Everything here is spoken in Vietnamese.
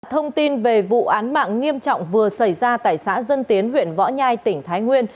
thông tin về vụ án mạng nghiêm trọng vừa xảy ra tại xã dân tiến huyện võ nhai tỉnh thái nguyên